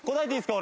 俺。